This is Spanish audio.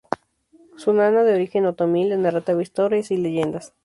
Su nana, de origen otomí, le narraba historias y leyendas.